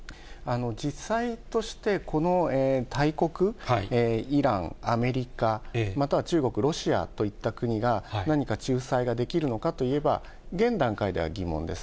実際として、この大国、イラン、アメリカ、または中国、ロシアといった国が、何か仲裁ができるのかといえば、現段階では疑問です。